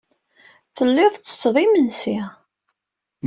Telliḍ tettetteḍ imensi.